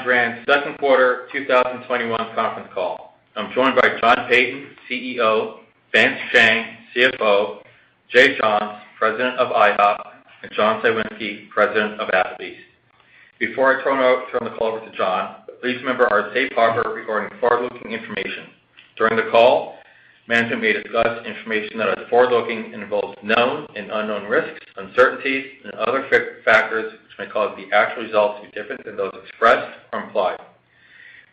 Dine Brands second quarter 2021 conference call. I'm joined by John Peyton, CEO, Vance Chang, CFO, Jay Johns, President of IHOP, and John Cywinski, President of Applebee's. Before I turn the call over to John, please remember our safe harbor regarding forward-looking information. During the call, management may discuss information that is forward-looking and involves known and unknown risks, uncertainties, and other factors which may cause the actual results to be different than those expressed or implied.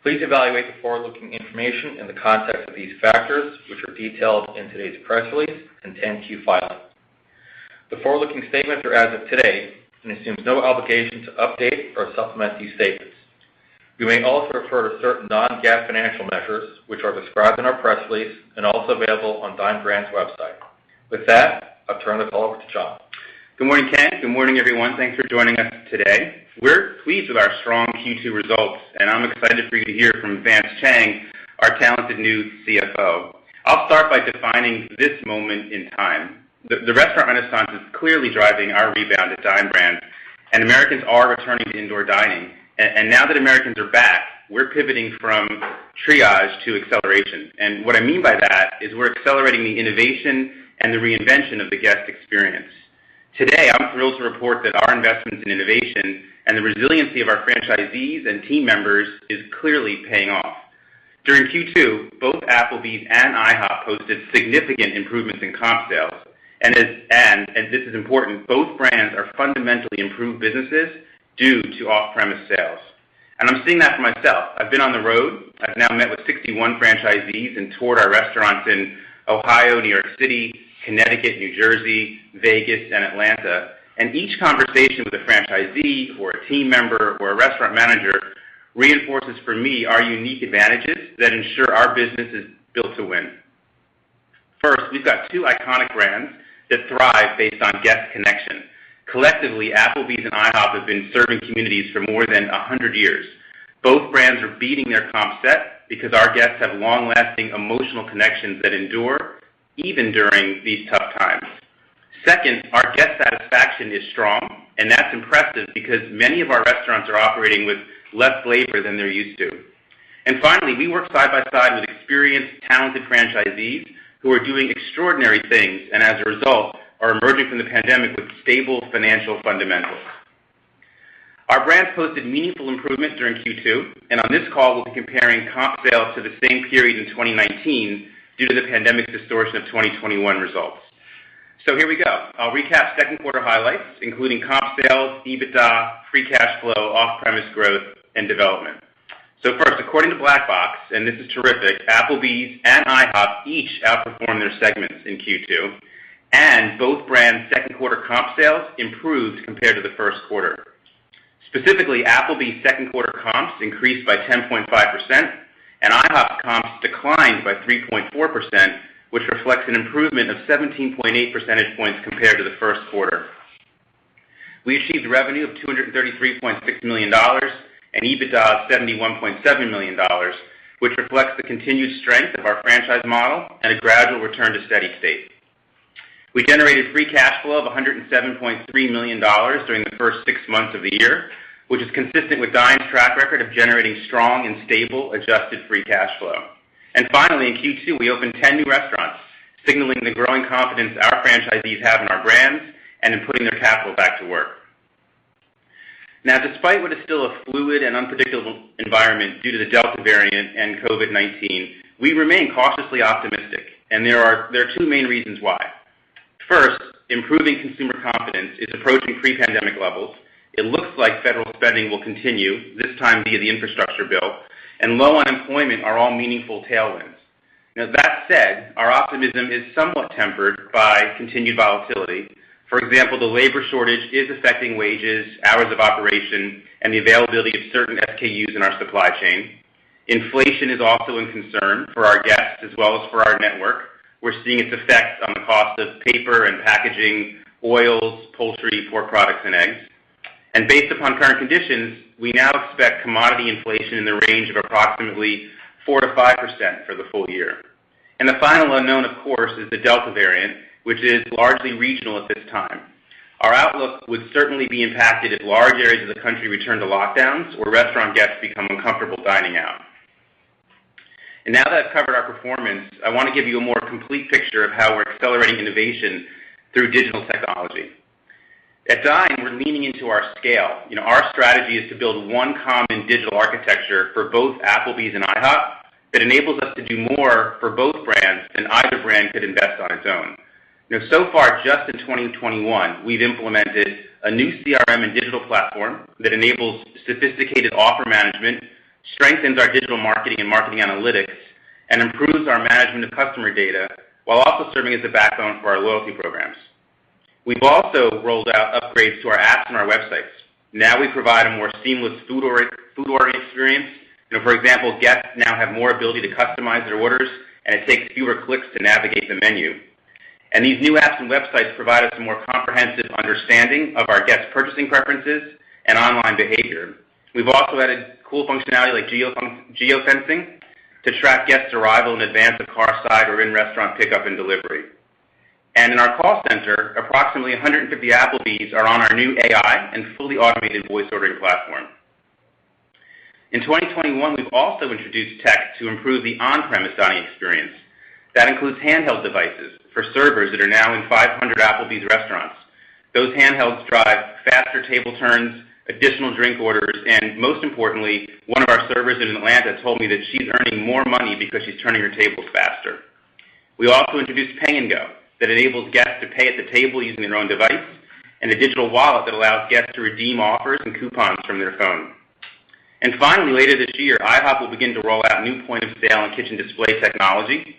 Please evaluate the forward-looking information in the context of these factors, which are detailed in today's press release and 10-Q filing. The forward-looking statements are as of today and assumes no obligation to update or supplement these statements. We may also refer to certain non-GAAP financial measures, which are described in our press release and also available on Dine Brands website. With that, I'll turn the call over to John. Good morning, Ken. Good morning, everyone. Thanks for joining us today. We're pleased with our strong Q2 results, and I'm excited for you to hear from Vance Chang, our talented new CFO. I'll start by defining this moment in time. The restaurant renaissance is clearly driving our rebound at Dine Brands, and Americans are returning to indoor dining. Now that Americans are back, we're pivoting from triage to acceleration. What I mean by that is we're accelerating the innovation and the reinvention of the guest experience. Today, I'm thrilled to report that our investments in innovation and the resiliency of our franchisees and team members is clearly paying off. During Q2, both Applebee's and IHOP posted significant improvements in comp sales. This is important, both brands are fundamentally improved businesses due to off-premise sales. I'm seeing that for myself. I've been on the road. I've now met with 61 franchisees and toured our restaurants in Ohio, New York City, Connecticut, New Jersey, Vegas, and Atlanta. Each conversation with a franchisee or a team member or a restaurant manager reinforces for me our unique advantages that ensure our business is built to win. First, we've got two iconic brands that thrive based on guest connection. Collectively, Applebee's and IHOP have been serving communities for more than 100 years. Both brands are beating their comp set because our guests have long-lasting emotional connections that endure even during these tough times. Second, our guest satisfaction is strong, and that's impressive because many of our restaurants are operating with less labor than they're used to. Finally, we work side by side with experienced, talented franchisees who are doing extraordinary things, and as a result, are emerging from the pandemic with stable financial fundamentals. Our brands posted meaningful improvement during Q2. On this call, we'll be comparing comp sales to the same period in 2019 due to the pandemic distortion of 2021 results. Here we go. I'll recap second quarter highlights, including comp sales, EBITDA, free cash flow, off-premise growth, and development. First, according to Black Box, and this is terrific, Applebee's and IHOP each outperformed their segments in Q2. Both brands' second quarter comp sales improved compared to the first quarter. Specifically, Applebee's second quarter comps increased by 10.5%. IHOP comps declined by 3.4%, which reflects an improvement of 17.8 percentage points compared to the first quarter. We achieved revenue of $233.6 million and EBITDA of $71.7 million, which reflects the continued strength of our franchise model and a gradual return to steady state. We generated free cash flow of $107.3 million during the first six months of the year, which is consistent with Dine's track record of generating strong and stable adjusted free cash flow. Finally, in Q2, we opened 10 new restaurants, signaling the growing confidence our franchisees have in our brands and in putting their capital back to work. Despite what is still a fluid and unpredictable environment due to the Delta variant and COVID-19, we remain cautiously optimistic, and there are two main reasons why. First, improving consumer confidence is approaching pre-pandemic levels. It looks like federal spending will continue, this time via the infrastructure bill, and low unemployment are all meaningful tailwinds. That said, our optimism is somewhat tempered by continued volatility. For example, the labor shortage is affecting wages, hours of operation, and the availability of certain SKUs in our supply chain. Inflation is also a concern for our guests as well as for our network. We're seeing its effects on the cost of paper and packaging, oils, poultry, pork products, and eggs. Based upon current conditions, we now expect commodity inflation in the range of approximately 4%-5% for the full year. The final unknown, of course, is the Delta variant, which is largely regional at this time. Our outlook would certainly be impacted if large areas of the country return to lockdowns or restaurant guests become uncomfortable dining out. Now that I've covered our performance, I want to give you a more complete picture of how we're accelerating innovation through digital technology. At Dine, we're leaning into our scale. Our strategy is to build one common digital architecture for both Applebee's and IHOP that enables us to do more for both brands than either brand could invest on its own. So far, just in 2021, we've implemented a new CRM and digital platform that enables sophisticated offer management, strengthens our digital marketing and marketing analytics, and improves our management of customer data while also serving as a backbone for our loyalty programs. We've also rolled out upgrades to our apps and our websites. We provide a more seamless food ordering experience. For example, guests now have more ability to customize their orders, and it takes fewer clicks to navigate the menu. These new apps and websites provide us a more comprehensive understanding of our guests' purchasing preferences and online behavior. We've also added cool functionality like geofencing to track guests' arrival in advance of car side or in-restaurant pickup and delivery. In our call center, approximately 150 Applebee's are on our new AI and fully automated voice ordering platform. In 2021, we've also introduced tech to improve the on-premise dining experience. That includes handheld devices for servers that are now in 500 Applebee's restaurants. Those handhelds drive faster table turns, additional drink orders, and most importantly, one of our servers in Atlanta told me that she's earning more money because she's turning her tables faster. We also introduced PayGo, that enables guests to pay at the table using their own device, and a digital wallet that allows guests to redeem offers and coupons from their phone. Finally, later this year, IHOP will begin to roll out new point-of-sale and kitchen display technology.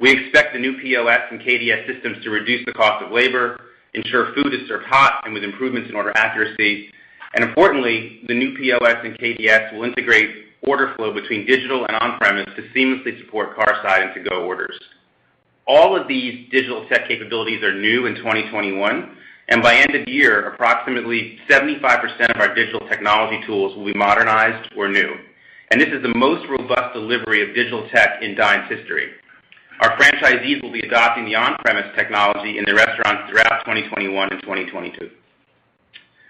We expect the new POS and KDS systems to reduce the cost of labor, ensure food is served hot, and with improvements in order accuracy. Importantly, the new POS and KDS will integrate order flow between digital and on-premise to seamlessly support curbside and to-go orders. All of these digital tech capabilities are new in 2021, and by end of year, approximately 75% of our digital technology tools will be modernized or new. This is the most robust delivery of digital tech in Dine's history. Our franchisees will be adopting the on-premise technology in their restaurants throughout 2021 and 2022.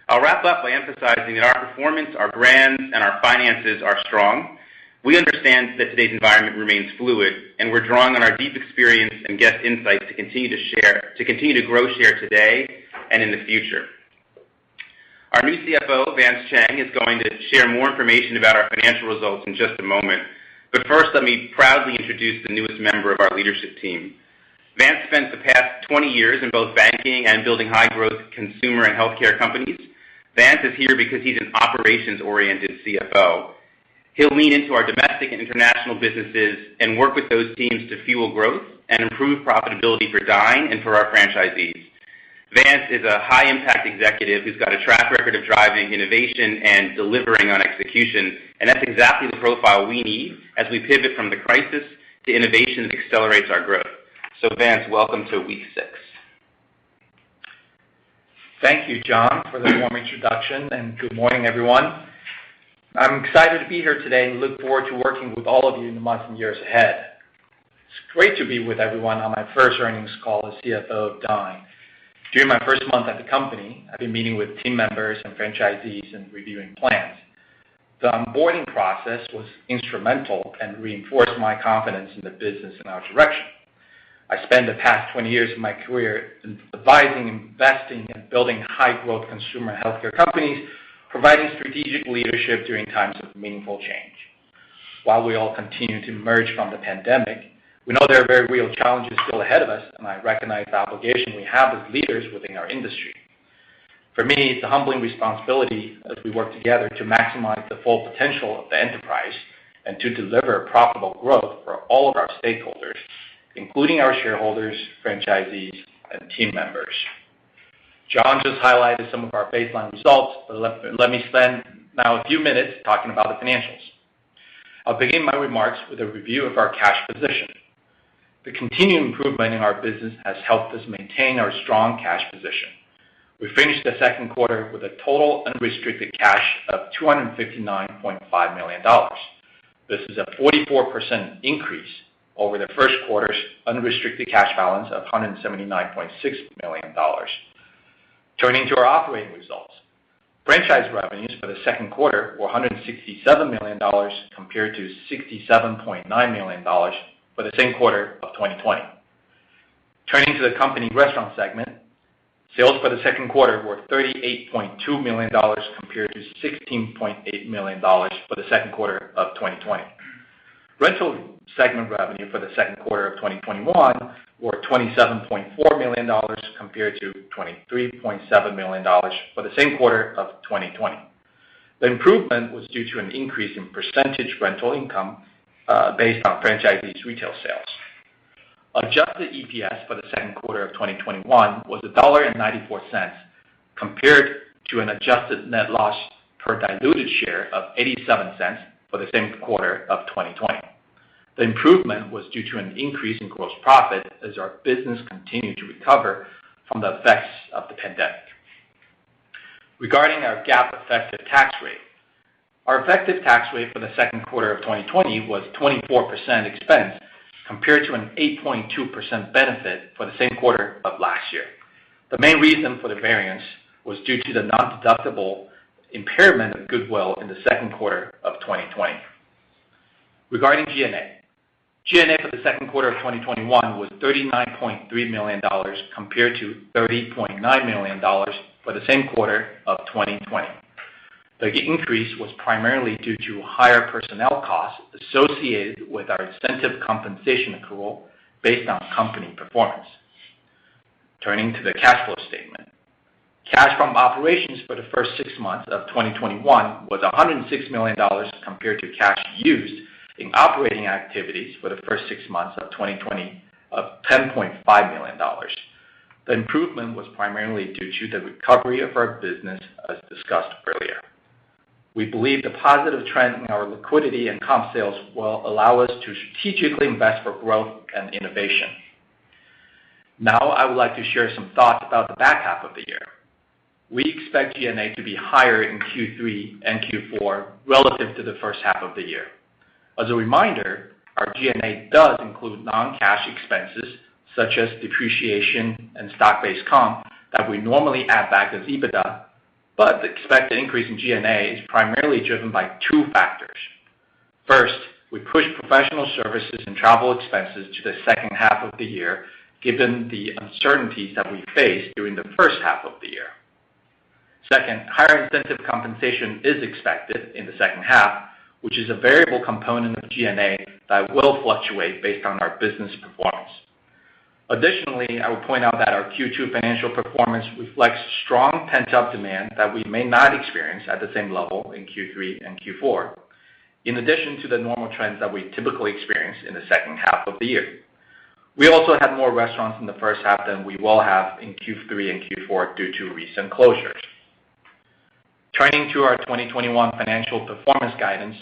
I'll wrap up by emphasizing that our performance, our brands, and our finances are strong. We understand that today's environment remains fluid, and we're drawing on our deep experience and guest insights to continue to grow share today and in the future. Our new CFO, Vance Chang, is going to share more information about our financial results in just a moment. First, let me proudly introduce the newest member of our leadership team. Vance spent the past 20 years in both banking and building high-growth consumer and healthcare companies. Vance is here because he's an operations-oriented CFO. He'll lean into our domestic and international businesses and work with those teams to fuel growth and improve profitability for Dine and for our franchisees. Vance is a high-impact executive who's got a track record of driving innovation and delivering on execution, and that's exactly the profile we need as we pivot from the crisis to innovation that accelerates our growth. Vance, welcome to week six. Thank you, John, for the warm introduction, and good morning, everyone. I'm excited to be here today and look forward to working with all of you in the months and years ahead. It's great to be with everyone on my first earnings call as CFO of Dine. During my first month at the company, I've been meeting with team members and franchisees and reviewing plans. The onboarding process was instrumental and reinforced my confidence in the business and our direction. I spent the past 20 years of my career advising, investing, and building high-growth consumer healthcare companies, providing strategic leadership during times of meaningful change. While we all continue to emerge from the pandemic, we know there are very real challenges still ahead of us, and I recognize the obligation we have as leaders within our industry. For me, it's a humbling responsibility as we work together to maximize the full potential of the enterprise and to deliver profitable growth for all of our stakeholders, including our shareholders, franchisees, and team members. John just highlighted some of our baseline results. Let me spend now a few minutes talking about the financials. I'll begin my remarks with a review of our cash position. The continued improvement in our business has helped us maintain our strong cash position. We finished the second quarter with a total unrestricted cash of $259.5 million. This is a 44% increase over the first quarter's unrestricted cash balance of $179.6 million. Turning to our operating results. Franchise revenues for the second quarter were $167 million compared to $67.9 million for the same quarter of 2020. Turning to the company restaurant segment, sales for the second quarter were $38.2 million, compared to $16.8 million for the second quarter of 2020. Rental segment revenue for the second quarter of 2021 were $27.4 million, compared to $23.7 million for the same quarter of 2020. The improvement was due to an increase in percentage rental income based on franchisees' retail sales. Adjusted EPS for the second quarter of 2021 was $1.94, compared to an adjusted net loss per diluted share of $0.87 for the same quarter of 2020. The improvement was due to an increase in gross profit as our business continued to recover from the effects of the pandemic. Regarding our GAAP effective tax rate, our effective tax rate for the second quarter of 2020 was 24% expense, compared to an 8.2% benefit for the same quarter of last year. The main reason for the variance was due to the non-deductible impairment of goodwill in the second quarter of 2020. Regarding G&A, G&A for the second quarter of 2021 was $39.3 million, compared to $30.9 million for the same quarter of 2020. The increase was primarily due to higher personnel costs associated with our incentive compensation accrual based on company performance. Turning to the cash flow statement. Cash from operations for the first six months of 2021 was $106 million, compared to cash used in operating activities for the first six months of 2020 of $10.5 million. The improvement was primarily due to the recovery of our business, as discussed earlier. We believe the positive trend in our liquidity and comp sales will allow us to strategically invest for growth and innovation. Now, I would like to share some thoughts about the back half of the year. We expect G&A to be higher in Q3 and Q4 relative to the first half of the year. As a reminder, our G&A does include non-cash expenses such as depreciation and stock-based comp that we normally add back as EBITDA, but the expected increase in G&A is primarily driven by two factors. First, we push professional services and travel expenses to the second half of the year, given the uncertainties that we faced during the first half of the year. Second, higher incentive compensation is expected in the second half, which is a variable component of G&A that will fluctuate based on our business performance. Additionally, I would point out that our Q2 financial performance reflects strong pent-up demand that we may not experience at the same level in Q3 and Q4, in addition to the normal trends that we typically experience in the second half of the year. We also had more restaurants in the first half than we will have in Q3 and Q4 due to recent closures. Turning to our 2021 financial performance guidance,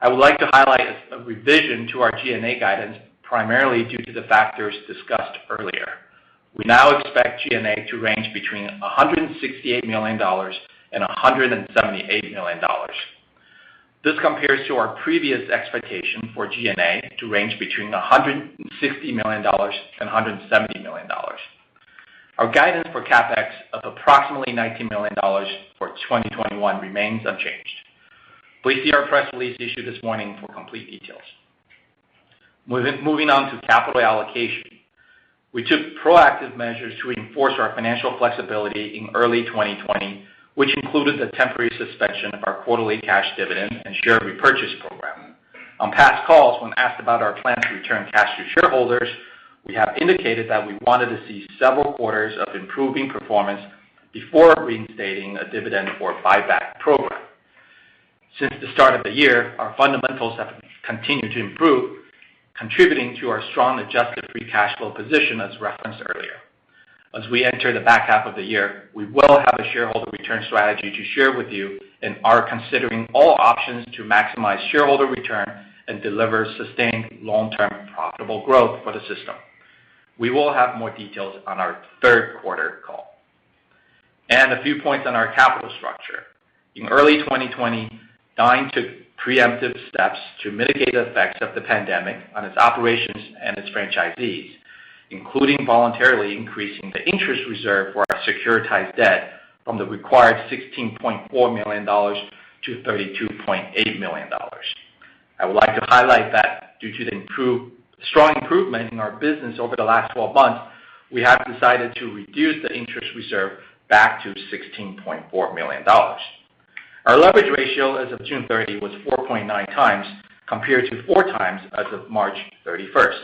I would like to highlight a revision to our G&A guidance, primarily due to the factors discussed earlier. We now expect G&A to range between $168 million and $178 million. This compares to our previous expectation for G&A to range between $160 million and $170 million. Our guidance for CapEx of approximately $19 million for 2021 remains unchanged. Please see our press release issued this morning for complete details. Moving on to capital allocation. We took proactive measures to enforce our financial flexibility in early 2020, which included the temporary suspension of our quarterly cash dividend and share repurchase program. On past calls, when asked about our plan to return cash to shareholders, we have indicated that we wanted to see several quarters of improving performance before reinstating a dividend or buyback program. Since the start of the year, our fundamentals have continued to improve, contributing to our strong adjusted free cash flow position, as referenced earlier. As we enter the back half of the year, we will have a shareholder return strategy to share with you and are considering all options to maximize shareholder return and deliver sustained long-term profitable growth for the system. We will have more details on our third quarter call. A few points on our capital structure. In early 2020, Dine took preemptive steps to mitigate the effects of the pandemic on its operations and its franchisees, including voluntarily increasing the interest reserve for our securitized debt from the required $16.4 million to $32.8 million. I would like to highlight that due to the strong improvement in our business over the last 12 months, we have decided to reduce the interest reserve back to $16.4 million. Our leverage ratio as of June 30 was 4.9 times, compared to four times as of March 31st.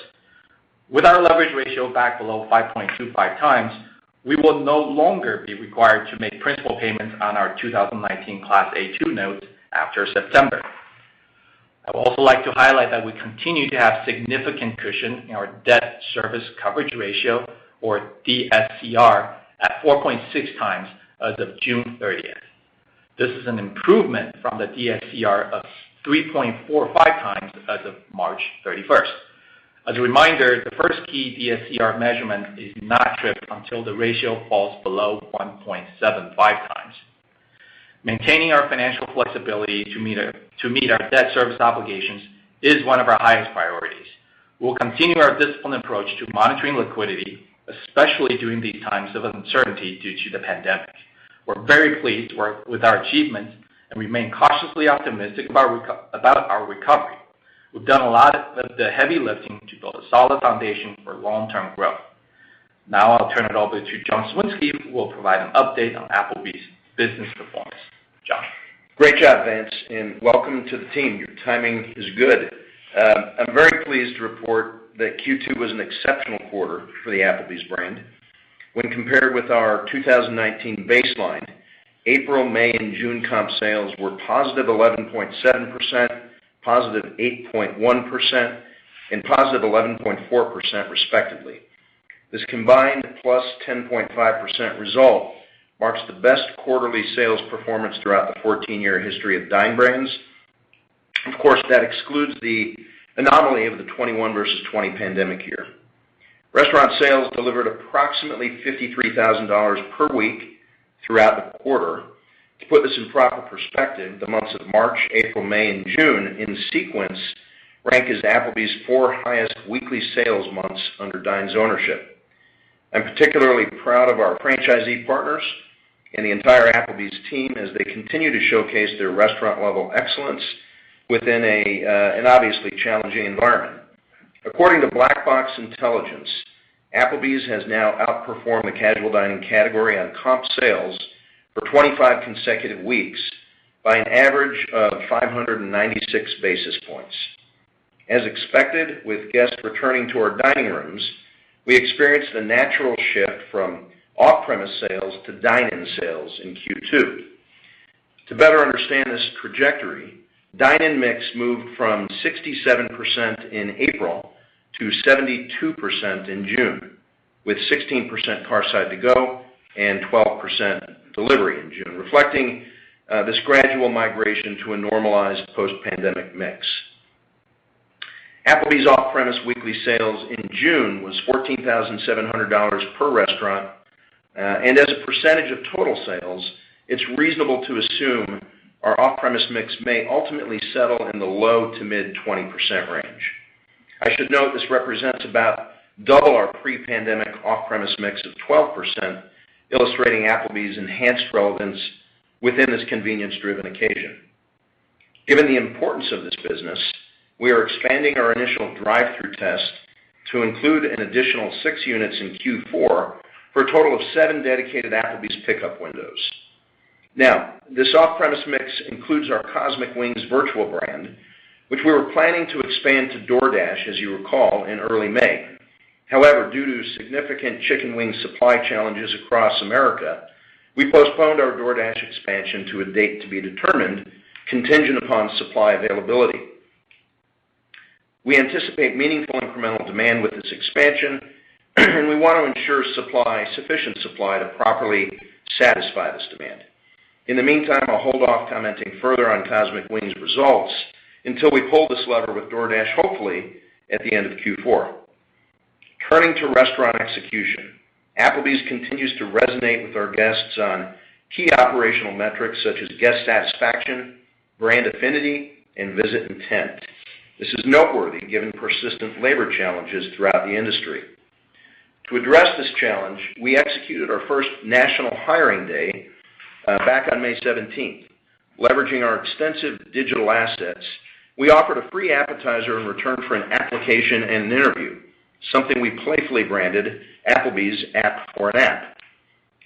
With our leverage ratio back below 5.25 times, we will no longer be required to make principal payments on our 2019 Class A-2 Notes after September. I would also like to highlight that we continue to have significant cushion in our debt service coverage ratio or DSCR at 4.6 times as of June 30th. This is an improvement from the DSCR of 3.45 times as of March 31st. As a reminder, the first key DSCR measurement is not tripped until the ratio falls below 1.75 times. Maintaining our financial flexibility to meet our debt service obligations is one of our highest priorities. We'll continue our disciplined approach to monitoring liquidity, especially during these times of uncertainty due to the pandemic. We're very pleased with our achievements and remain cautiously optimistic about our recovery. We've done a lot of the heavy lifting to build a solid foundation for long-term growth. Now I'll turn it over to John Cywinski, who will provide an update on Applebee's business performance. John. Great job, Vance, welcome to the team. Your timing is good. I'm very pleased to report that Q2 was an exceptional quarter for the Applebee's brand. When compared with our 2019 baseline, April, May, and June comp sales were positive 11.7%, positive 8.1%, and positive 11.4%, respectively. This combined plus 10.5% result marks the best quarterly sales performance throughout the 14-year history of Dine Brands. Of course, that excludes the anomaly of the 2021 versus 2020 pandemic year. Restaurant sales delivered approximately $53,000 per week throughout the quarter. To put this in proper perspective, the months of March, April, May, and June in sequence rank as Applebee's four highest weekly sales months under Dine's ownership. I'm particularly proud of our franchisee partners and the entire Applebee's team as they continue to showcase their restaurant-level excellence within an obviously challenging environment. According to Black Box Intelligence, Applebee's has now outperformed the casual dining category on comp sales for 25 consecutive weeks by an average of 596 basis points. As expected, with guests returning to our dining rooms, we experienced the natural shift from off-premise sales to dine-in sales in Q2. To better understand this trajectory, dine-in mix moved from 67% in April to 72% in June, with 16% carside to-go and 12% delivery in June, reflecting this gradual migration to a normalized post-pandemic mix. Applebee's off-premise weekly sales in June was $14,700 per restaurant. As a percentage of total sales, it's reasonable to assume our off-premise mix may ultimately settle in the low to mid 20% range. I should note this represents about double our pre-pandemic off-premise mix of 12%, illustrating Applebee's enhanced relevance within this convenience-driven occasion. Given the importance of this business, we are expanding our initial drive-thru test to include an additional six units in Q4 for a total of seven dedicated Applebee's pickup windows. This off-premise mix includes our Cosmic Wings virtual brand, which we were planning to expand to DoorDash, as you recall, in early May. However, due to significant chicken wing supply challenges across America, we postponed our DoorDash expansion to a date to be determined contingent upon supply availability. We anticipate meaningful incremental demand with this expansion, and we want to ensure sufficient supply to properly satisfy this demand. In the meantime, I'll hold off commenting further on Cosmic Wings results until we pull this lever with DoorDash, hopefully, at the end of Q4. Turning to restaurant execution, Applebee's continues to resonate with our guests on key operational metrics such as guest satisfaction, brand affinity, and visit intent. This is noteworthy given persistent labor challenges throughout the industry. To address this challenge, we executed our first national hiring day back on May 17th, leveraging our extensive digital assets. We offered a Free Appetizer in return for an application and an interview, something we playfully branded Applebee's App for an App.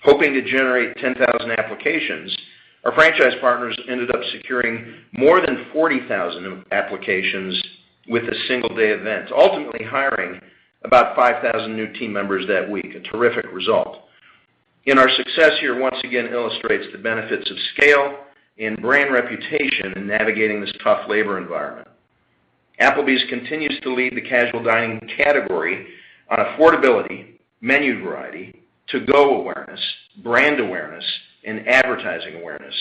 Hoping to generate 10,000 applications, our franchise partners ended up securing more than 40,000 applications with a single-day event, ultimately hiring about 5,000 new team members that week. A terrific result. Our success here once again illustrates the benefits of scale and brand reputation in navigating this tough labor environment. Applebee's continues to lead the casual dining category on affordability, menu variety, to-go awareness, brand awareness, and advertising awareness,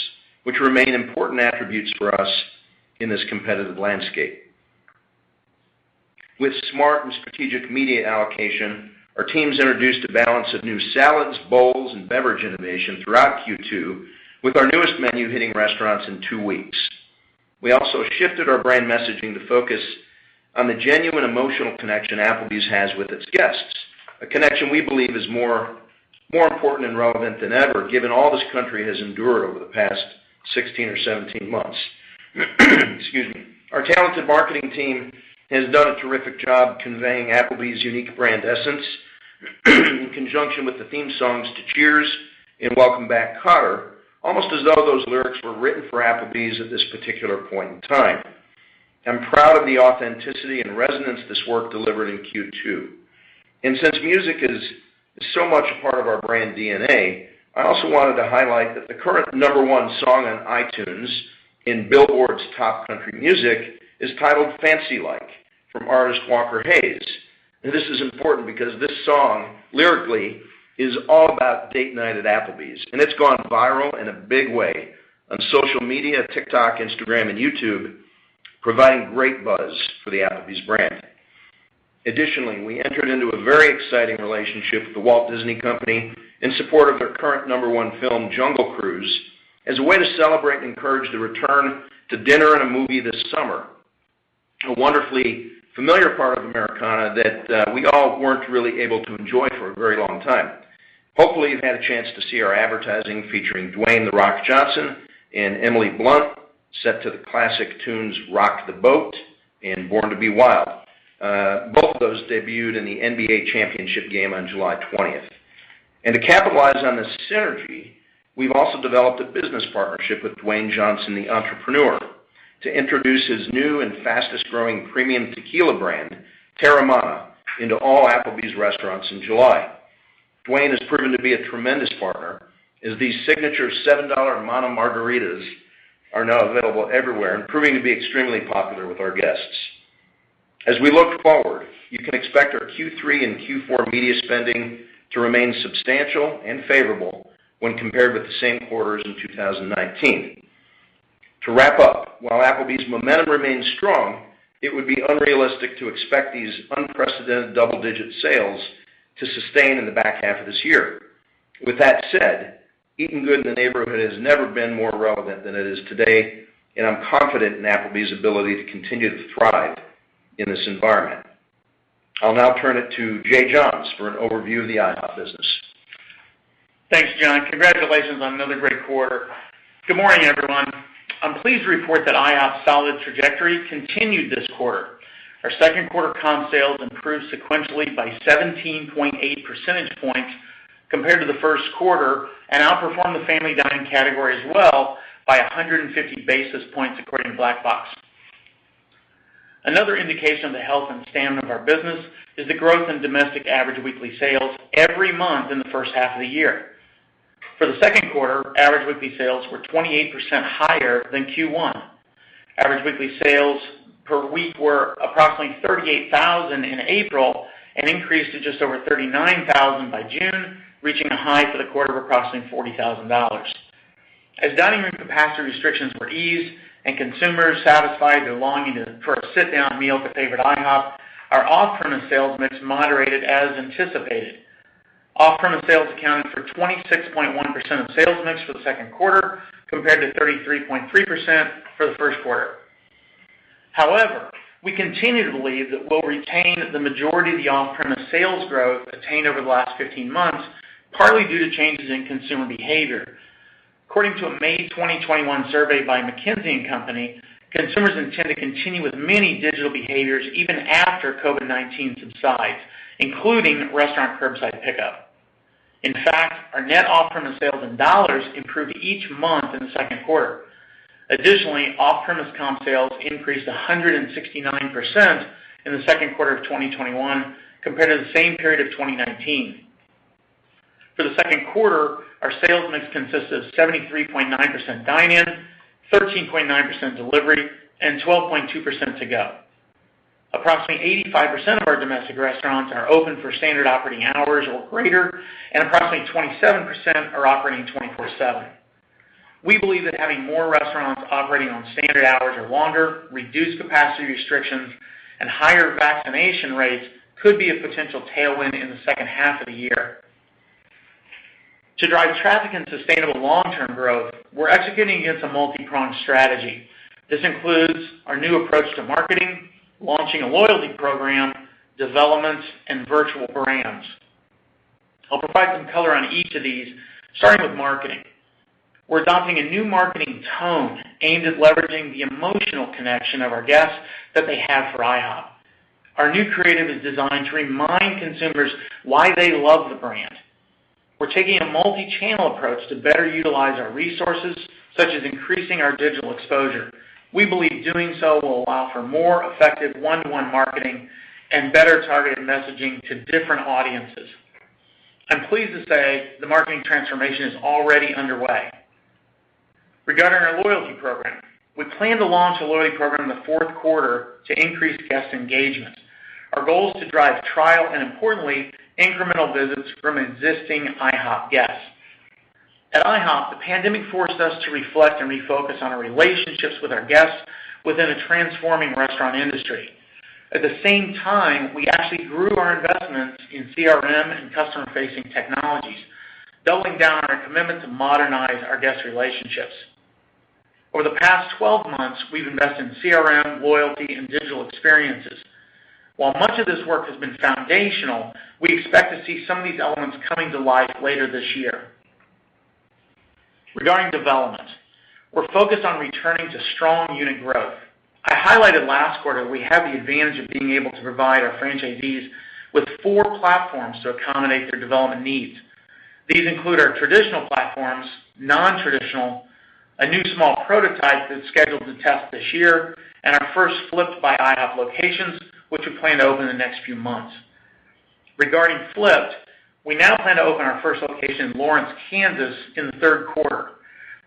which remain important attributes for us in this competitive landscape. With smart and strategic media allocation, our teams introduced a balance of new salads, bowls, and beverage innovation throughout Q2 with our newest menu hitting restaurants in two weeks. We also shifted our brand messaging to focus on the genuine emotional connection Applebee's has with its guests. A connection we believe is more important and relevant than ever, given all this country has endured over the past 16 or 17 months. Excuse me. Our talented marketing team has done a terrific job conveying Applebee's unique brand essence in conjunction with the theme songs to "Cheers" and "Welcome Back Kotter," almost as though those lyrics were written for Applebee's at this particular point in time. I'm proud of the authenticity and resonance this work delivered in Q2. Since music is so much a part of our brand DNA, I also wanted to highlight that the current number one song on iTunes in Billboard's top country music is titled "Fancy Like," from artist Walker Hayes. This is important because this song, lyrically, is all about date night at Applebee's, and it's gone viral in a big way on social media, TikTok, Instagram, and YouTube, providing great buzz for the Applebee's brand. Additionally, we entered into a very exciting relationship with The Walt Disney Company in support of their current number one film, "Jungle Cruise," as a way to celebrate and encourage the return to dinner and a movie this summer. A wonderfully familiar part of Americana that we all weren't really able to enjoy for a very long time. Hopefully, you've had a chance to see our advertising featuring Dwayne The Rock Johnson and Emily Blunt, set to the classic tunes, "Rock the Boat" and "Born to Be Wild." Both of those debuted in the NBA Championship game on July 20th. To capitalize on this synergy, we've also developed a business partnership with Dwayne Johnson, the entrepreneur, to introduce his new and fastest-growing premium tequila brand, Teremana, into all Applebee's restaurants in July. Dwayne has proven to be a tremendous partner as these signature $7 Mucho Margaritas are now available everywhere and proving to be extremely popular with our guests. As we look forward, you can expect our Q3 and Q4 media spending to remain substantial and favorable when compared with the same quarters in 2019. To wrap up, while Applebee's momentum remains strong, it would be unrealistic to expect these unprecedented double-digit sales to sustain in the back half of this year. With that said, eating good in the neighborhood has never been more relevant than it is today, and I'm confident in Applebee's ability to continue to thrive in this environment. I'll now turn it to Jay Johns for an overview of the IHOP business. Thanks, John. Congratulations on another great quarter. Good morning, everyone. I'm pleased to report that IHOP's solid trajectory continued this quarter. Our second quarter comp sales improved sequentially by 17.8 percentage points compared to the first quarter and outperformed the family dining category as well by 150 basis points according to Black Box. Another indication of the health and stamina of our business is the growth in domestic average weekly sales every month in the first half of the year. For the second quarter, average weekly sales were 28% higher than Q1. Average weekly sales per week were approximately 38,000 in April and increased to just over 39,000 by June, reaching a high for the quarter of approximately $40,000. As dining room capacity restrictions were eased and consumers satisfied their longing for a sit-down meal at their favorite IHOP, our off-premise sales mix moderated as anticipated. Off-premise sales accounted for 26.1% of sales mix for the second quarter, compared to 33.3% for the first quarter. We continue to believe that we'll retain the majority of the off-premise sales growth attained over the last 15 months, partly due to changes in consumer behavior. According to a May 2021 survey by McKinsey & Company, consumers intend to continue with many digital behaviors even after COVID-19 subsides, including restaurant curbside pickup. Our net off-premise sales in dollars improved each month in the second quarter. Off-premise comp sales increased 169% in the second quarter of 2021, compared to the same period of 2019. For the second quarter, our sales mix consisted of 73.9% dine-in, 13.9% delivery, and 12.2% to-go. Approximately 85% of our domestic restaurants are open for standard operating hours or greater, and approximately 27% are operating 24/7. We believe that having more restaurants operating on standard hours or longer, reduced capacity restrictions, and higher vaccination rates could be a potential tailwind in the second half of the year. To drive traffic and sustainable long-term growth, we're executing against a multi-pronged strategy. This includes our new approach to marketing, launching a loyalty program, developments, and virtual brands. I'll provide some color on each of these, starting with marketing. We're adopting a new marketing tone aimed at leveraging the emotional connection of our guests that they have for IHOP. Our new creative is designed to remind consumers why they love the brand. We're taking a multi-channel approach to better utilize our resources, such as increasing our digital exposure. We believe doing so will allow for more effective one-to-one marketing and better targeted messaging to different audiences. I'm pleased to say the marketing transformation is already underway. Regarding our loyalty program, we plan to launch a loyalty program in the fourth quarter to increase guest engagement. Our goal is to drive trial, and importantly, incremental visits from existing IHOP guests. At IHOP, the pandemic forced us to reflect and refocus on our relationships with our guests within a transforming restaurant industry. At the same time, we actually grew our investments in CRM and customer-facing technologies, doubling down on our commitment to modernize our guest relationships. Over the past 12 months, we've invested in CRM, loyalty, and digital experiences. While much of this work has been foundational, we expect to see some of these elements coming to life later this year. Regarding development, we're focused on returning to strong unit growth. I highlighted last quarter we have the advantage of being able to provide our franchisees with four platforms to accommodate their development needs. These include our traditional platforms, non-traditional, a new small prototype that's scheduled to test this year, and our first flip'd by IHOP locations, which we plan to open in the next few months. Regarding flip'd, we now plan to open our first location in Lawrence, Kansas, in the third quarter.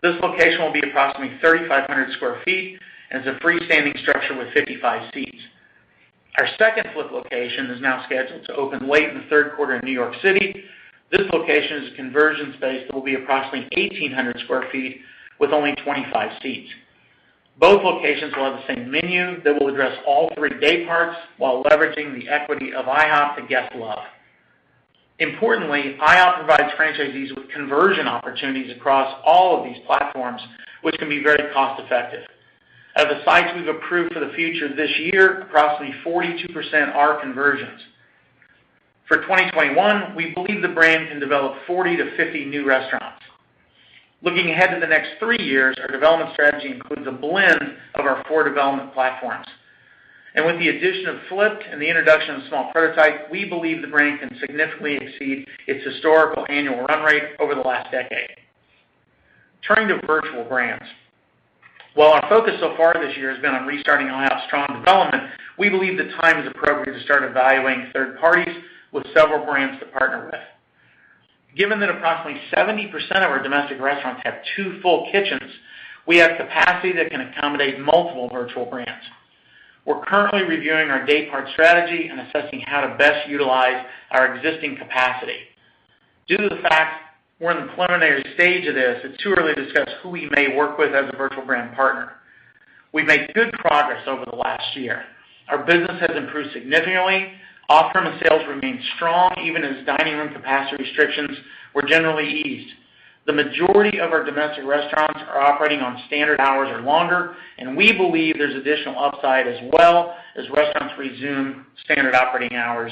This location will be approximately 3,500 square feet, and is a freestanding structure with 55 seats. Our second flip'd location is now scheduled to open late in the third quarter in New York City. This location is a conversion space that will be approximately 1,800 square feet with only 25 seats. Both locations will have the same menu that will address all three day parts while leveraging the equity of IHOP that guests love. Importantly, IHOP provides franchisees with conversion opportunities across all of these platforms, which can be very cost effective. Out of the sites we've approved for the future this year, approximately 42% are conversions. For 2021, we believe the brand can develop 40-50 new restaurants. Looking ahead to the next three years, our development strategy includes a blend of our four development platforms. With the addition of Flip and the introduction of small prototype, we believe the brand can significantly exceed its historical annual run rate over the last decade. Turning to virtual brands. While our focus so far this year has been on restarting IHOP's strong development, we believe the time is appropriate to start evaluating third parties with several brands to partner with. Given that approximately 70% of our domestic restaurants have two full kitchens, we have capacity that can accommodate multiple virtual brands. We're currently reviewing our day part strategy and assessing how to best utilize our existing capacity. Due to the fact we're in the preliminary stage of this, it's too early to discuss who we may work with as a virtual brand partner. We've made good progress over the last one year. Our business has improved significantly. Off-premise sales remain strong, even as dining room capacity restrictions were generally eased. The majority of our domestic restaurants are operating on standard hours or longer, and we believe there's additional upside as well as restaurants resume standard operating hours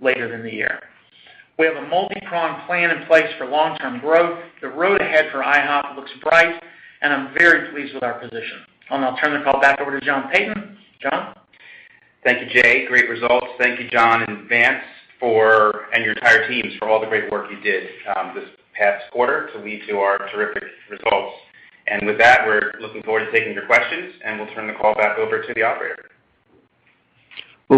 later in the year. We have a multi-pronged plan in place for long-term growth. The road ahead for IHOP looks bright, and I'm very pleased with our position. I'll turn the call back over to John Peyton. John? Thank you, Jay Johns. Great results. Thank you, John Cywinski and Vance Chang, and your entire teams for all the great work you did this past quarter to lead to our terrific results. With that, we're looking forward to taking your questions, and we'll turn the call back over to the operator. We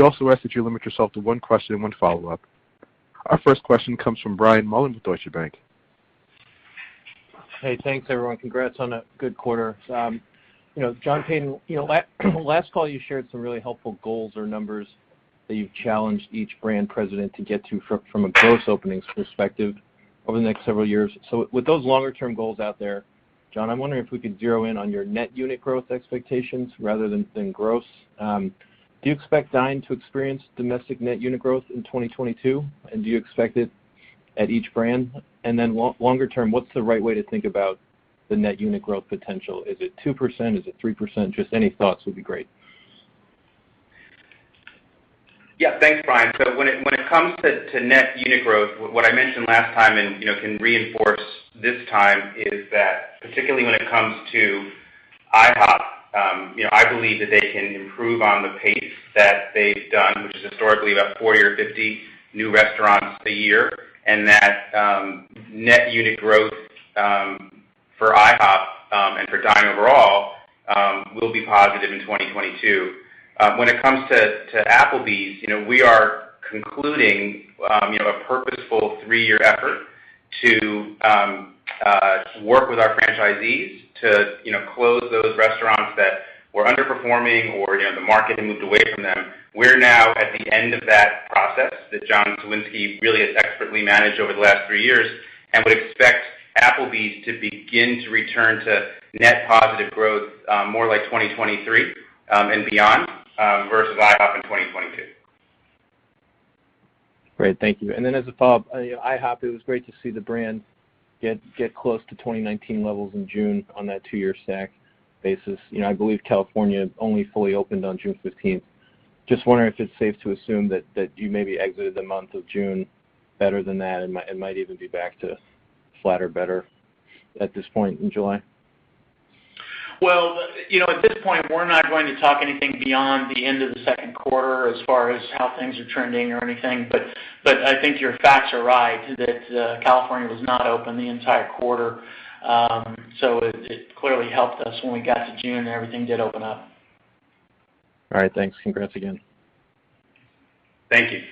also ask that you limit yourself to one question and one follow-up. Our first question comes from Brian Mullan with Deutsche Bank. Hey, thanks everyone. Congrats on a good quarter. John Peyton, last call you shared some really helpful goals or numbers that you've challenged each brand president to get to from a gross openings perspective over the next several years. With those longer-term goals out there, John, I'm wondering if we could zero in on your net unit growth expectations rather than gross. Do you expect Dine to experience domestic net unit growth in 2022? Do you expect it at each brand? Longer term, what's the right way to think about the net unit growth potential? Is it 2%? Is it 3%? Just any thoughts would be great. Yeah, thanks, Brian. When it comes to net unit growth, what I mentioned last time, and can reinforce this time, is that particularly when it comes to IHOP, I believe that they can improve on the pace that they've done, which is historically about 40 or 50 new restaurants a year. That net unit growth for IHOP, and for Dine overall, will be positive in 2022. When it comes to Applebee's, we are concluding a purposeful three-year effort to work with our franchisees to close those restaurants that were underperforming or the market had moved away from them. We're now at the end of that process that John Cywinski really has expertly managed over the last three years, and would expect Applebee's to begin to return to net positive growth more like 2023, and beyond, versus IHOP in 2022. Great, thank you. As a follow-up, IHOP, it was great to see the brand get close to 2019 levels in June on that two-year stack basis. I believe California only fully opened on June 15th. Just wondering if it's safe to assume that you maybe exited the month of June better than that, and might even be back to flat or better at this point in July? At this point, we're not going to talk anything beyond the end of the second quarter as far as how things are trending or anything. I think your facts are right, that California was not open the entire quarter. It clearly helped us when we got to June, and everything did open up. All right, thanks. Congrats again. Thank you.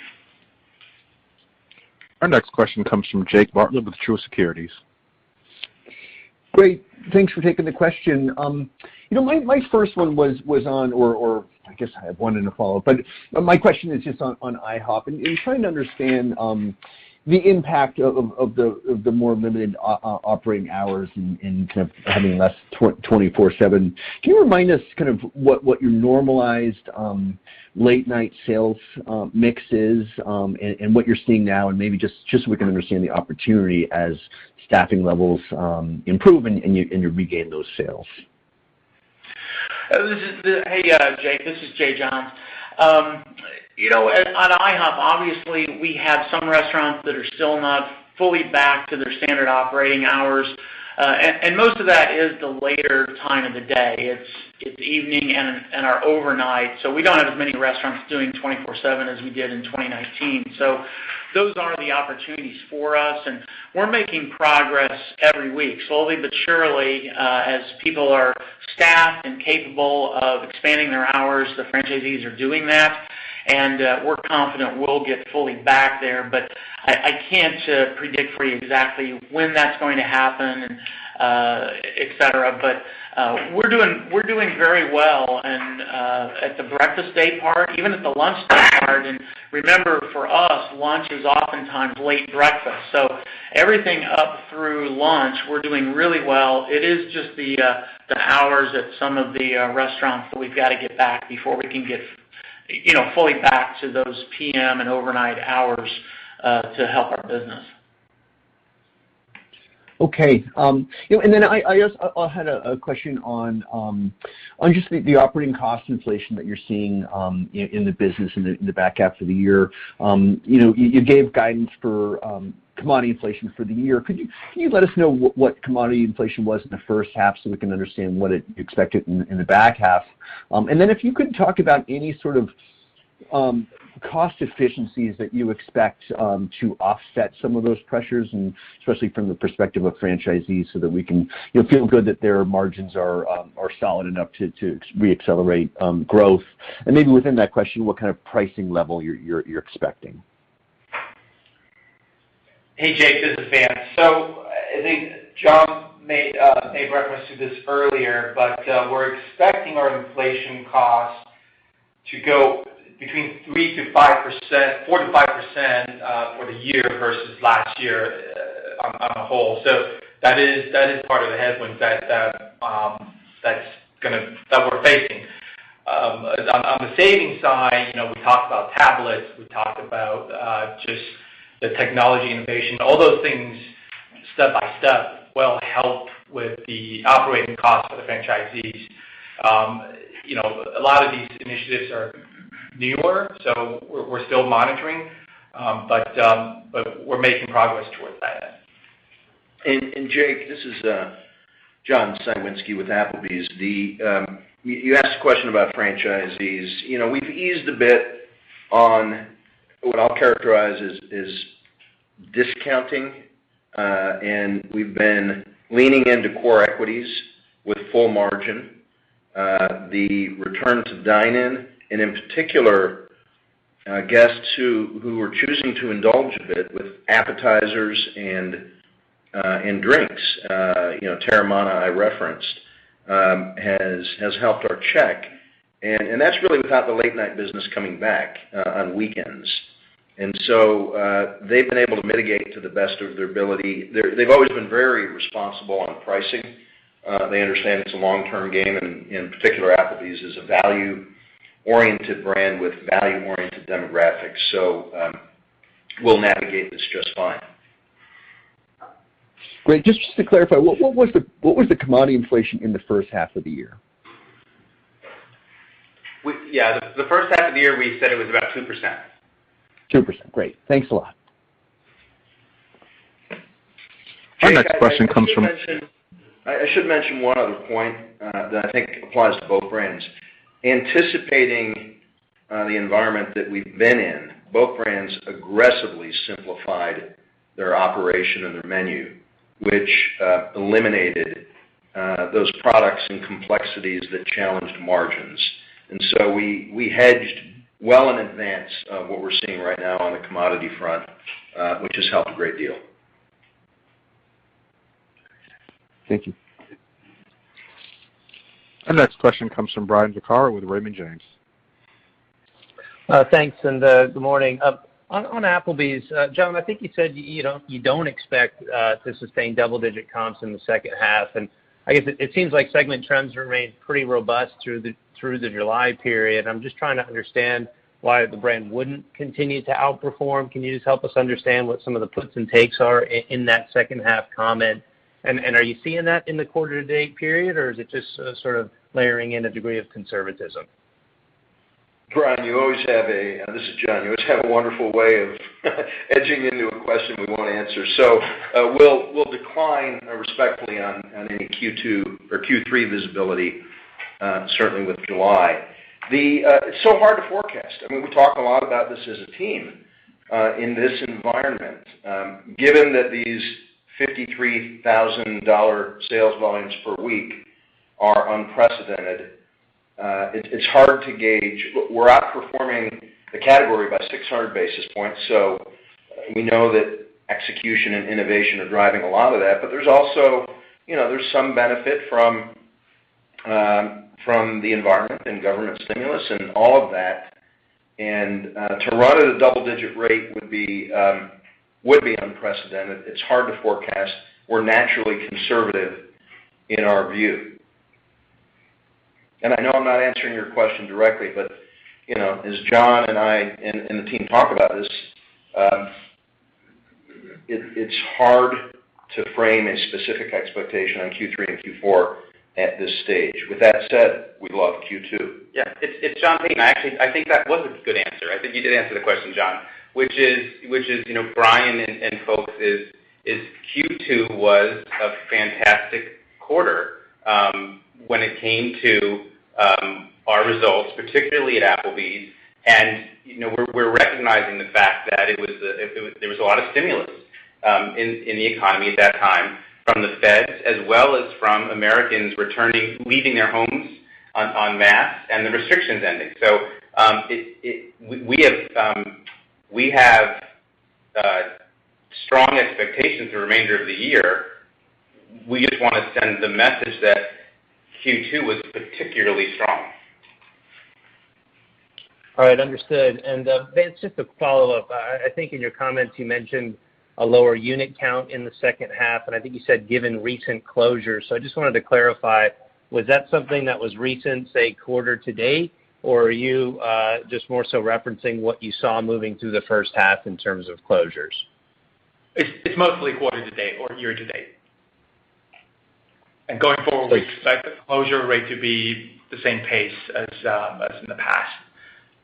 Our next question comes from Jake Bartlett with Truist Securities. Great. Thanks for taking the question. My first one was on, or I guess I have one and a follow-up, but my question is just on IHOP. In trying to understand the impact of the more limited operating hours and kind of having less 24/7, can you remind us what your normalized late-night sales mix is, and what you're seeing now? Maybe just so we can understand the opportunity as staffing levels improve, and you regain those sales. Hey, Jake, this is Jay Johns. On IHOP, obviously we have some restaurants that are still not fully back to their standard operating hours. Most of that is the later time of the day. It's evening and our overnight. We don't have as many restaurants doing 24/7 as we did in 2019. Those are the opportunities for us, and we're making progress every week. Slowly but surely, as people are staffed and capable of expanding their hours, the franchisees are doing that, and we're confident we'll get fully back there. I can't predict for you exactly when that's going to happen, et cetera. We're doing very well at the breakfast day part, even at the lunch day part. Remember, for us, lunch is oftentimes late breakfast. Everything up through lunch, we're doing really well. It is just the hours at some of the restaurants that we've got to get back before we can get fully back to those PM and overnight hours, to help our business. Okay. I also had a question on just the operating cost inflation that you're seeing in the business in the back half of the year. You gave guidance for commodity inflation for the year. Could you let us know what commodity inflation was in the first half so we can understand what it expected in the back half? If you could talk about any sort of cost efficiencies that you expect to offset some of those pressures, and especially from the perspective of franchisees, so that we can feel good that their margins are solid enough to re-accelerate growth. Maybe within that question, what kind of pricing level you're expecting? Hey, Jake, this is Vance. I think John made reference to this earlier, but we're expecting our inflation costs to go between 3%-5%, 4%-5%, for the year versus last year on the whole. That is part of the headwinds that we're facing. On the savings side, we talked about tablets, we talked about just the technology innovation. All those things, step-by-step, will help with the operating costs for the franchisees. A lot of these initiatives are newer. We're still monitoring. We're making progress towards that end. Jake, this is John Cywinski with Applebee's. You asked a question about franchisees. We've eased a bit on what I'll characterize as discounting, and we've been leaning into core equities with full margin. The return to dine-in, and in particular. Guests who are choosing to indulge a bit with appetizers and drinks. Teremana, I referenced, has helped our check, and that's really without the late-night business coming back on weekends. They've been able to mitigate to the best of their ability. They've always been very responsible on pricing. They understand it's a long-term game, and in particular, Applebee's is a value-oriented brand with value-oriented demographics, so we'll navigate this just fine. Great. Just to clarify, what was the commodity inflation in the first half of the year? Yeah. The first half of the year, we said it was about 2%. 2%. Great. Thanks a lot. Jay, I should mention one other point that I think applies to both brands. Anticipating the environment that we've been in, both brands aggressively simplified their operation and their menu, which eliminated those products and complexities that challenged margins. We hedged well in advance of what we're seeing right now on the commodity front, which has helped a great deal. Thank you. Our next question comes from Brian Vaccaro with Raymond James. Thanks, good morning. On Applebee's, John, I think you said you don't expect to sustain double-digit comps in the second half. I guess it seems like segment trends remain pretty robust through the July period. I'm just trying to understand why the brand wouldn't continue to outperform. Can you just help us understand what some of the puts and takes are in that second half comment? Are you seeing that in the quarter to date period, or is it just sort of layering in a degree of conservatism? Brian, this is John. You always have a wonderful way of edging into a question we won't answer. We'll decline respectfully on any Q2 or Q3 visibility, certainly with July. It's so hard to forecast. We talk a lot about this as a team in this environment. Given that these $53,000 sales volumes per week are unprecedented, it's hard to gauge. We're outperforming the category by 600 basis points. We know that execution and innovation are driving a lot of that. There's also some benefit from the environment and government stimulus and all of that. To run at a double-digit rate would be unprecedented. It's hard to forecast. We're naturally conservative in our view. I know I'm not answering your question directly, but as John and I, and the team talk about this, it's hard to frame a specific expectation on Q3 and Q4 at this stage. With that said, we love Q2. Yeah. It's John Peyton. I think that was a good answer. I think you did answer the question, John, which is, Brian and folks, Q2 was a fantastic quarter when it came to our results, particularly at Applebee's. We're recognizing the fact that there was a lot of stimulus in the economy at that time from the Feds, as well as from Americans leaving their homes en masse and the restrictions ending. We have strong expectations the remainder of the year. We just want to send the message that Q2 was particularly strong. All right. Understood. Vance, just a follow-up. I think in your comments you mentioned a lower unit count in the 2nd half, and I think you said given recent closures. I just wanted to clarify, was that something that was recent, say, quarter to date, or are you just more so referencing what you saw moving through the 1st half in terms of closures? It's mostly quarter to date or year to date. Going forward, we expect the closure rate to be the same pace as in the past.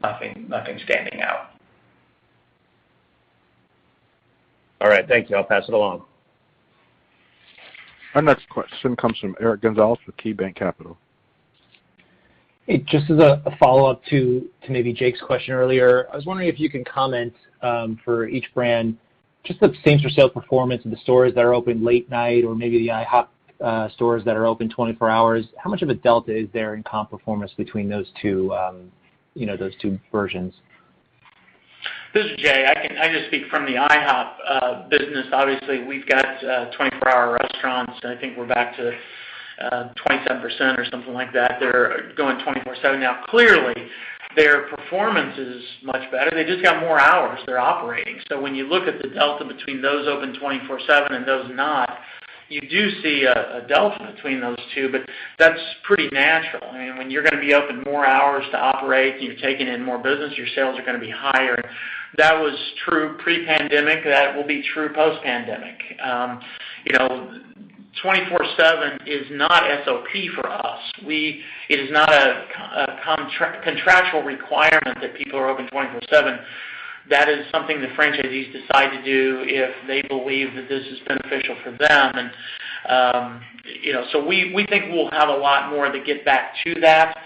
Nothing standing out. All right. Thank you. I'll pass it along. Our next question comes from Eric Gonzalez with KeyBanc Capital. Hey, just as a follow-up to maybe Jake's question earlier. I was wondering if you can comment for each brand, just the same for sale performance of the stores that are open late night or maybe the IHOP stores that are open 24 hours. How much of a delta is there in comp performance between those two versions? This is Jay. I can just speak from the IHOP business. Obviously, we've got 24-hour restaurants, and I think we're back to 27% or something like that. They're going 24/7 now. Clearly, their performance is much better. They just got more hours they're operating. When you look at the delta between those open 24/7 and those not, you do see a delta between those two, but that's pretty natural. When you're going to be open more hours to operate and you're taking in more business, your sales are going to be higher. That was true pre-pandemic, that will be true post-pandemic. 24/7 is not SOP for us. It is not a contractual requirement that people are open 24/7. That is something the franchisees decide to do if they believe that this is beneficial for them. We think we'll have a lot more to get back to that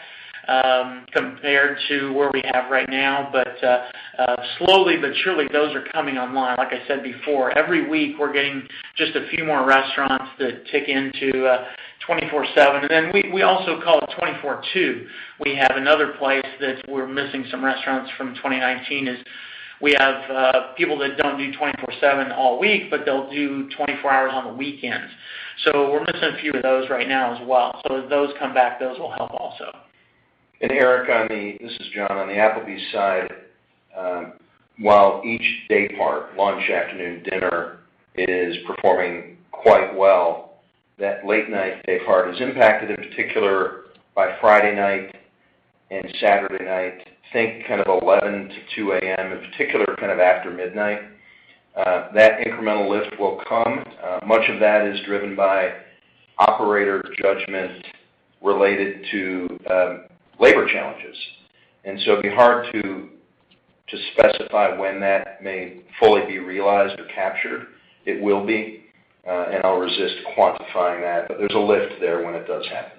compared to where we have right now. Slowly but surely those are coming online. Like I said before, every week we're getting just a few more restaurants that tick into 24/7. We also call it 24/2. We have another place that we're missing some restaurants from 2019, is we have people that don't do 24/7 all week, but they'll do 24 hours on the weekends. We're missing a few of those right now as well. As those come back, those will help also. Eric, this is John, on the Applebee's side, while each day part, lunch, afternoon, dinner, is performing quite well, that late-night day part is impacted in particular by Friday night and Saturday night, think kind of 11:00 P.M. to 2:00 A.M. in particular kind of after midnight. That incremental lift will come. Much of that is driven by operator judgment related to labor challenges. It'd be hard to specify when that may fully be realized or captured. It will be, and I'll resist quantifying that, but there's a lift there when it does happen.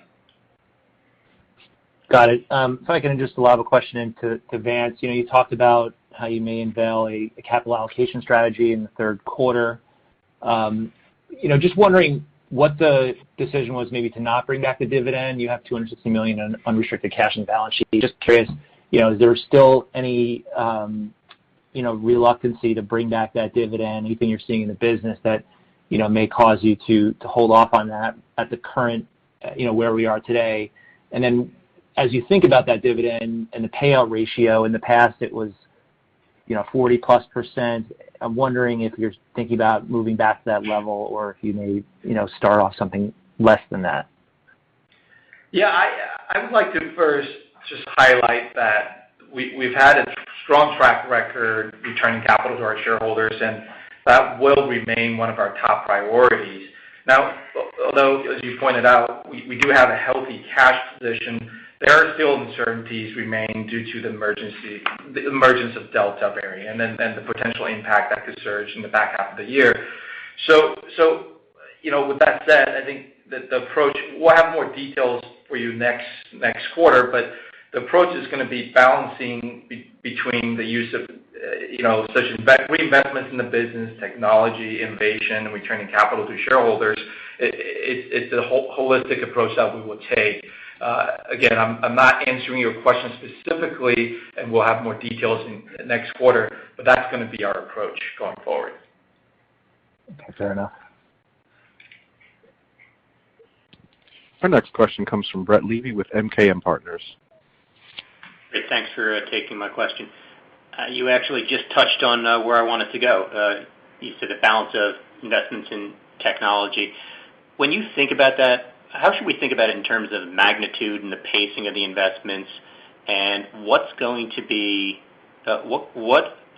Got it. If I can just lob a question into Vance. You talked about how you may unveil a capital allocation strategy in the third quarter. Just wondering what the decision was maybe to not bring back the dividend. You have $260 million in unrestricted cash in the balance sheet. Just curious, is there still any reluctancy to bring back that dividend? Anything you're seeing in the business that may cause you to hold off on that at where we are today? As you think about that dividend and the payout ratio, in the past it was 40%+. I'm wondering if you're thinking about moving back to that level or if you may start off something less than that. Yeah, I would like to first just highlight that we've had a strong track record returning capital to our shareholders, and that will remain one of our top priorities. Although, as you pointed out, we do have a healthy cash position, there are still uncertainties remaining due to the emergence of Delta variant and the potential impact that could surge in the back half of the year. With that said, I think that the approach, we'll have more details for you next quarter, but the approach is going to be balancing between the use of such reinvestments in the business, technology, innovation, and returning capital to shareholders. It's a holistic approach that we will take. Again, I'm not answering your question specifically, and we'll have more details next quarter, but that's going to be our approach going forward. Okay. Fair enough. Our next question comes from Brett Levy with MKM Partners. Great. Thanks for taking my question. You actually just touched on where I wanted to go. You said a balance of investments in technology. When you think about that, how should we think about it in terms of magnitude and the pacing of the investments? What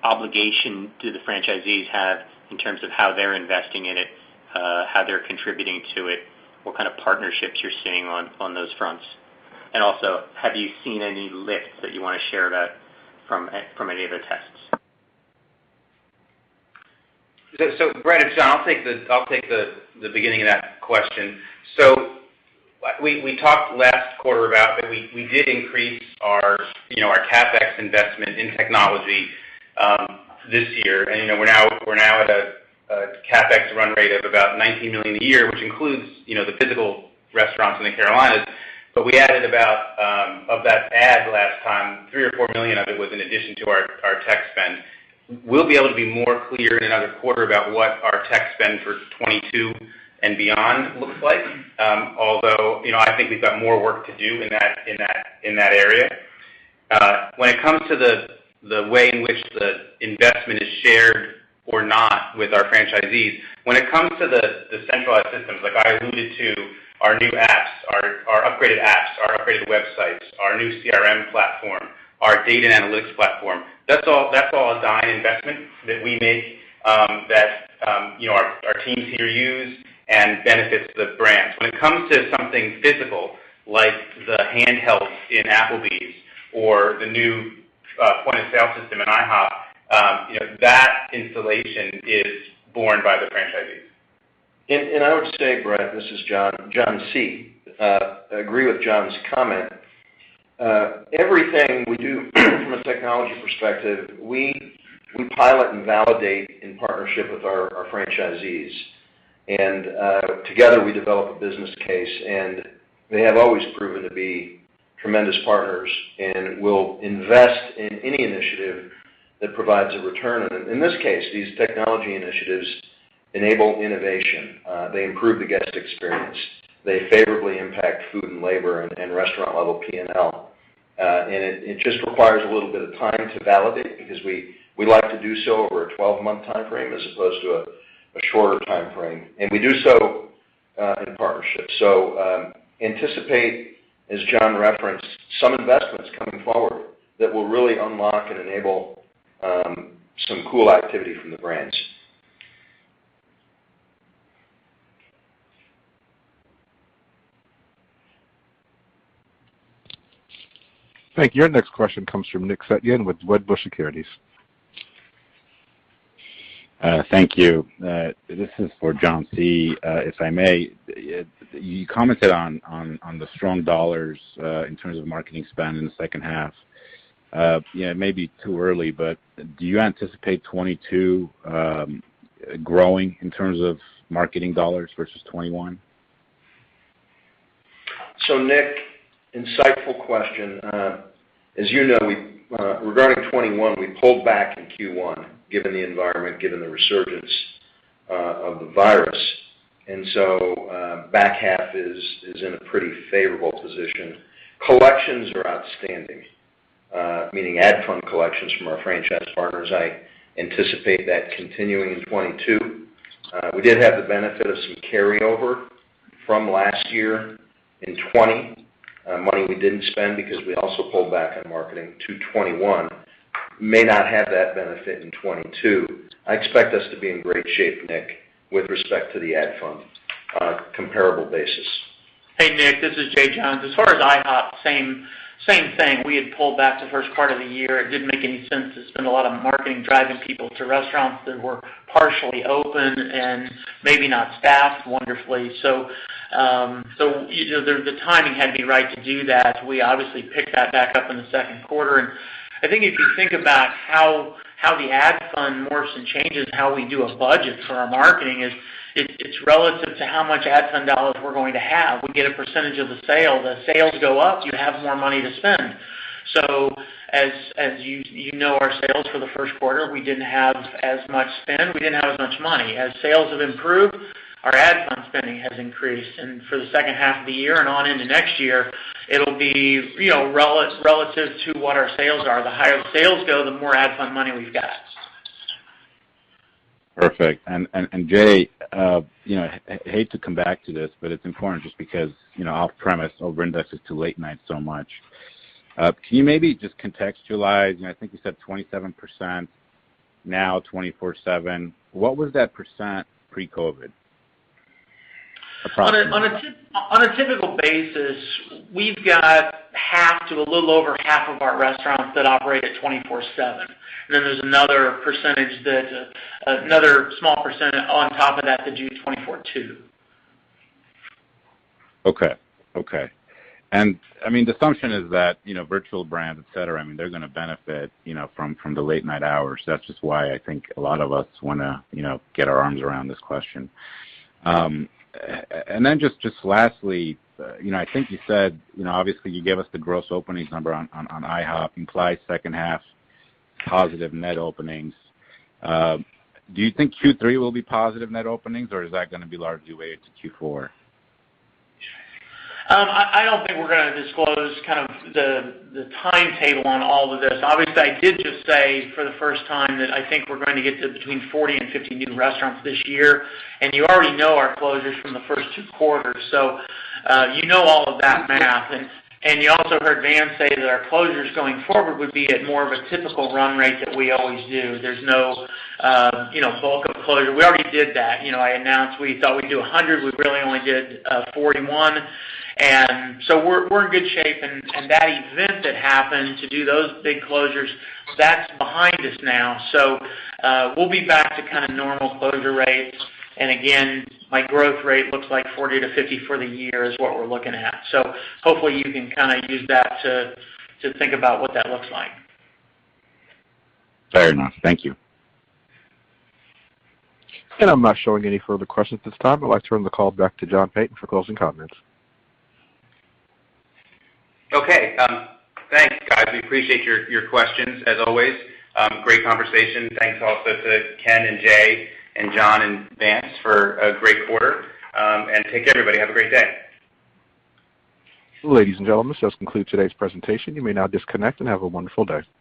obligation do the franchisees have in terms of how they're investing in it, how they're contributing to it, what kind of partnerships you're seeing on those fronts? Also, have you seen any lifts that you want to share from any of the tests? Brett, it's John. I'll take the beginning of that question. We talked last quarter about that we did increase our CapEx investment in technology this year, and we're now at a CapEx run rate of about $19 million a year, which includes the physical restaurants in the Carolinas. We added about, of that add last time, $3 million or $4 million of it was in addition to our tech spend. We'll be able to be more clear in another quarter about what our tech spend for 2022 and beyond looks like. Although, I think we've got more work to do in that area. When it comes to the way in which the investment is shared or not with our franchisees, when it comes to the centralized systems, like I alluded to, our new apps, our upgraded apps, our upgraded websites, our new CRM platform, our data analytics platform, that's all a Dine investment that we make, that our teams here use and benefits the brands. When it comes to something physical like the handhelds in Applebee's or the new point-of-sale system in IHOP, that installation is borne by the franchisees. I would say, Brett Levy, this is John Cywinski. I agree with John's comment. Everything we do from a technology perspective, we pilot and validate in partnership with our franchisees. Together, we develop a business case, and they have always proven to be tremendous partners and will invest in any initiative that provides a return on it. In this case, these technology initiatives enable innovation. They improve the guest experience. They favorably impact food and labor and restaurant-level P&L. It just requires a little bit of time to validate because we like to do so over a 12-month timeframe as opposed to a shorter timeframe. We do so in partnership. Anticipate, as John's referenced, some investments coming forward that will really unlock and enable some cool activity from the brands. Thank you. Our next question comes from Nick Setyan with Wedbush Securities. Thank you. This is for John C., if I may. You commented on the strong dollars in terms of marketing spend in the second half. It may be too early, but do you anticipate 2022 growing in terms of marketing dollars versus 2021? Nick, insightful question. As you know, regarding 2021, we pulled back in Q1, given the environment, given the resurgence of the virus. Back half is in a pretty favorable position. Collections are outstanding, meaning ad fund collections from our franchise partners. I anticipate that continuing in 2022. We did have the benefit of some carryover from last year in 2020, money we didn't spend because we also pulled back on marketing to 2021. May not have that benefit in 2022. I expect us to be in great shape, Nick, with respect to the ad fund on a comparable basis. Hey, Nick, this is Jay Johns. As far as IHOP, same thing. We had pulled back the first part of the year. It didn't make any sense to spend a lot on marketing, driving people to restaurants that were partially open and maybe not staffed wonderfully. The timing had to be right to do that. We obviously picked that back up in the second quarter. I think if you think about how the ad fund morphs and changes how we do a budget for our marketing, it's relative to how much ad fund dollars we're going to have. We get a percentage of the sale. The sales go up, you have more money to spend. As you know our sales for the first quarter, we didn't have as much spend, we didn't have as much money. As sales have improved, our ad fund spending has increased. For the second half of the year and on into next year, it'll be relative to what our sales are. The higher the sales go, the more ad fund money we've got. Perfect. Jay, I hate to come back to this, but it's important just because off-premise over indexes to late night so much. Can you maybe just contextualize, I think you said 27%, now 24/7. What was that % pre-COVID? Approximately. On a typical basis, we've got half to a little over half of our restaurants that operate at 24/7. There's another small percentage on top of that do 24/2. Okay. The assumption is that virtual brands, et cetera, they're going to benefit from the late-night hours. That's just why I think a lot of us want to get our arms around this question. Just lastly, I think you said, obviously you gave us the gross openings number on IHOP, implies second half positive net openings. Do you think Q3 will be positive net openings, or is that going to be largely weighted to Q4? I don't think we're going to disclose the timetable on all of this. Obviously, I did just say for the first time that I think we're going to get to between 40 and 50 new restaurants this year. You already know our closures from the first two quarters, so you know all of that math. You also heard Vance say that our closures going forward would be at more of a typical run rate that we always do. There's no bulk of closure. We already did that. I announced we thought we'd do 100. We really only did 41. We're in good shape, and that event that happened to do those big closures, that's behind us now. We'll be back to normal closure rates. Again, my growth rate looks like 40 to 50 for the year is what we're looking at. Hopefully you can use that to think about what that looks like. Fair enough. Thank you. I'm not showing any further questions at this time. I'd like to turn the call back to John Peyton for closing comments. Okay. Thanks, guys. We appreciate your questions, as always. Great conversation. Thanks also to Ken and Jay and John and Vance for a great quarter. Take care, everybody. Have a great day. Ladies and gentlemen, this does conclude today's presentation. You may now disconnect, and have a wonderful day.